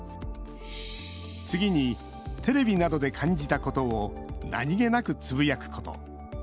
次にテレビなどで感じたことを何気なくつぶやくこと。